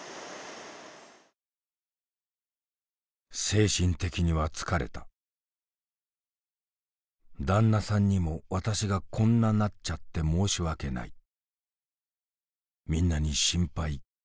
「精神的には疲れた旦那さんにも私がこんななっちゃって申し訳ないみんなに心配迷惑かけて」。